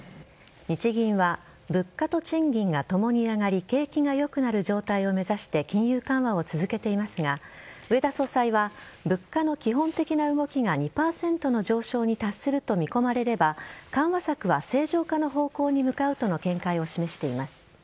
日銀は物価と賃金が共に上がり景気が良くなる状態を目指して金融緩和を続けていますが植田総裁は物価の基本的な動きが２％の上昇に達すると見込まれれば緩和策は正常化の方向に向かうとの見解を示しています。